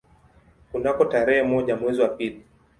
Kunako tarehe moja mwezi wa pili